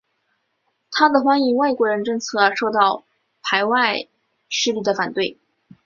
他的欢迎外国人政策受到排外势力的反对。